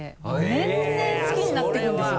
年々好きになっていくんですよ。